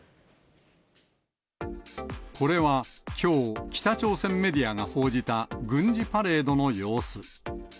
これはきょう、北朝鮮メディアが報じた軍事パレードの様子。